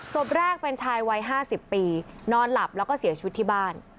ศพแรกเป็นชายวัย๕๐ปีนอนหลับแล้วก็เสียชีวิตที่บ้าน